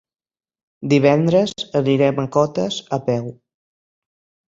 Divendres anirem a Cotes a peu.